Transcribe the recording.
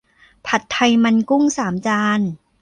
ผัดไทยมันกุ้ง สามจาน